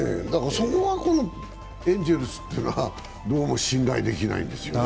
そこはエンゼルスというのはどうも信頼できないですよね。